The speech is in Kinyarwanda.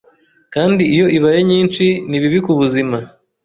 kandi iyo ibaye nyinshi ni bibi ku buzima